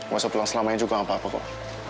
masa pulang selamanya juga gak apa apa kok